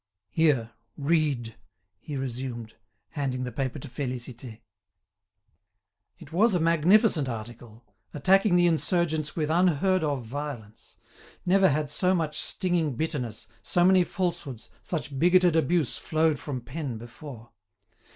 "Here, read," he resumed, handing the paper to Félicité. It was a magnificent article, attacking the insurgents with unheard of violence. Never had so much stinging bitterness, so many falsehoods, such bigoted abuse flowed from pen before.